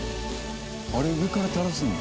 あれ上から垂らすの？